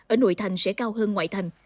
ở nội thành sẽ cao hơn ngoại thành